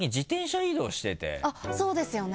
あっそうですよね。